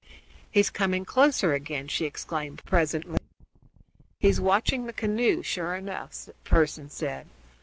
"He is coming closer again," she exclaimed presently. "He's watching the canoe, sure enough," Pearson said.